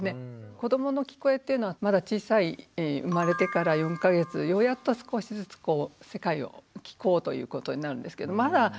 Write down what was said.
子どもの聞こえっていうのはまだ小さい生まれてから４か月ようやっと少しずつこう世界を聴こうということになるんですけどまだ進歩している途中なんですね。